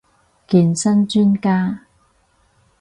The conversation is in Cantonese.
健身專家